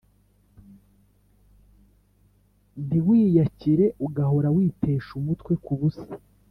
ntiwiyakire, ugahora witesha umutwe ku busa